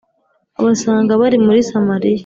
basanga bari muri Samariya